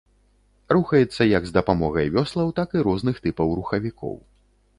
Рухаецца як з дапамогай вёслаў, так і розных тыпаў рухавікоў.